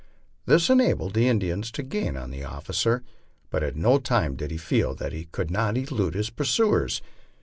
This enabled the Indians to gain on the officer, but at no time did he feel that he could not elude his pursuers.